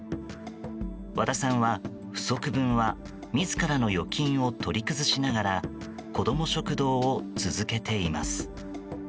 和田さんは不足分は自らの預金を取り崩しながら子ども食堂を続けています。